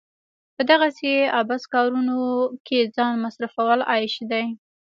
په دغسې عبث کارونو کې ځان مصرفول عيش دی.